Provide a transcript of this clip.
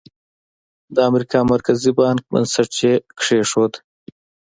د امریکا مرکزي بانک بنسټ یې کېښود.